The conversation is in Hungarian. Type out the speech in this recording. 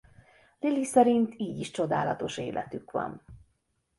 Lily szerint így is csodálatos életük van.